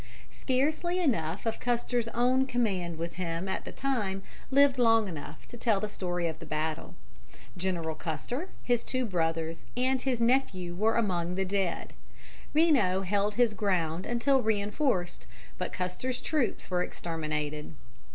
Scarcely enough of Custer's own command with him at the time lived long enough to tell the story of the battle. General Custer, his two brothers, and his nephew were among the dead. Reno held his ground until reinforced, but Custer's troops were exterminated.